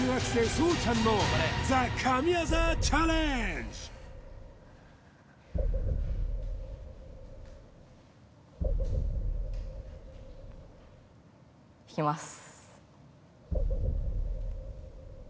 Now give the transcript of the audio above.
そうちゃんのＴＨＥ神業チャレンジ弾きます